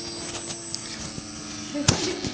えっすごいですね！